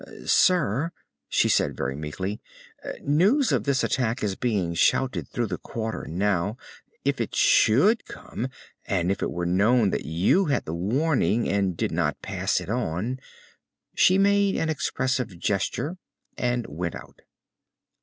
"Sir," she said, very meekly, "news of this attack is being shouted through the Quarter now. If it should come, and it were known that you had the warning and did not pass it on...." She made an expressive gesture, and went out.